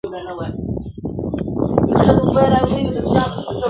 داسې څلور دې درته دود درته لوگی سي گرانې